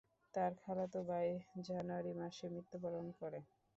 তার খালাতো ভাই জানুয়ারি মাসে মৃত্যুবরণ করে।